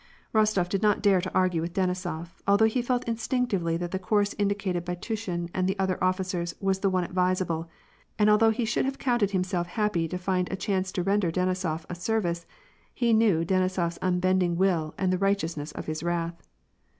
Rostof did not dare to argue with Denisof, although he felt instinctively that the course indicated by Tushin and the other officers was the one advisable, and although he should have counted himself happy to find a chance to render Denisof a ser vice, he knew Denisofs unbending will and the righteousness of his wrath.